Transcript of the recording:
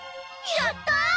やった！